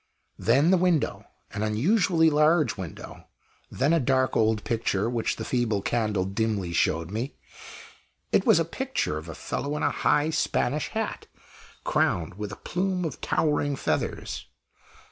Then the window an unusually large window. Then a dark old picture, which the feeble candle dimly showed me. It was a picture of a fellow in a high Spanish hat, crowned with a plume of towering feathers.